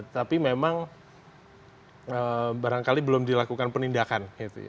tapi memang barangkali belum dilakukan penindakan